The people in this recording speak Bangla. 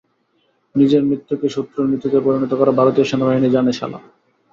নিজের মৃত্যুকে শত্রুর মৃত্যুতে পরিণত করা ভারতীয় সেনাবাহিনী জানে, শালা।